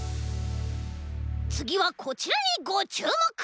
つぎはこちらにごちゅうもく！